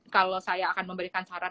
kalau saya akan memberikan saran